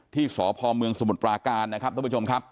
ที่สพเมืองสมุทรปราการนะครับท่านผู้ชมครับ